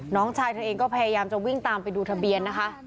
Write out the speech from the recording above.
น้องชายเธอเองก็พยายามจะวิ่งตามไปดูทะเบียนนะคะ